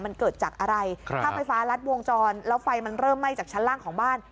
มันเกิดจากอะไรถ้าไฟฟ้ารัดวงจรแล้วไฟมันเริ่มไหม้จากชั้นล่างของบ้าน